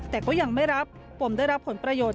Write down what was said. แต่ก็ยังไม่รับปมได้รับผลประโยชน์